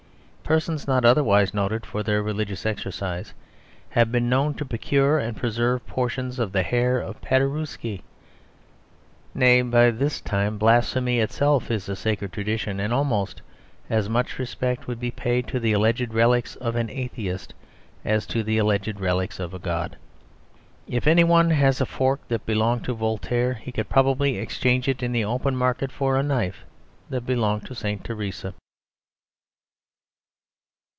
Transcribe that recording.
Persons not otherwise noted for their religious exercise have been known to procure and preserve portions of the hair of Paderewski. Nay, by this time blasphemy itself is a sacred tradition, and almost as much respect would be paid to the alleged relics of an atheist as to the alleged relics of a god. If any one has a fork that belonged to Voltaire, he could probably exchange it in the open market for a knife that belonged to St. Theresa.